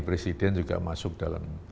presiden juga masuk dalam